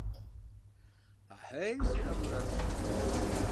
Ахьей сиӀэ, Мурат цӀыкӀу.